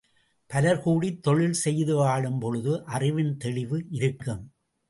பலர் கூடித் தொழில் செய்துவாழும் பொழுது அறிவின் தெளிவு இருக்கும்.